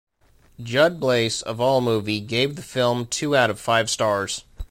Judd Blaise of Allmovie gave the film two out of five stars.